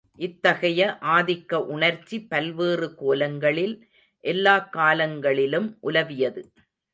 இத்தகைய, ஆதிக்க உணர்ச்சி பல்வேறு கோலங்களில், எல்லாக் காலங்களிலும் உலவியது.